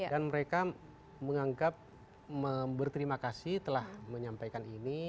dan mereka menganggap berterima kasih telah menyampaikan ini